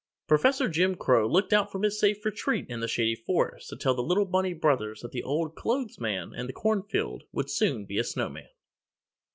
Professor Jim Crow looked out from his safe retreat in the Shady Forest to tell the little bunny brothers that the Old Clothes Man in the cornfield would soon be a snowman!